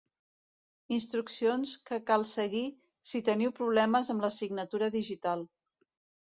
Instruccions que cal seguir si teniu problemes amb la signatura digital.